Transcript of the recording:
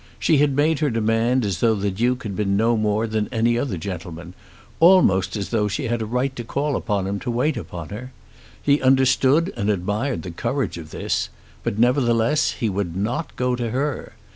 She had made her demand as though the Duke had been no more than any other gentleman, almost as though she had a right to call upon him to wait upon her. He understood and admired the courage of this; but nevertheless he would not go to her.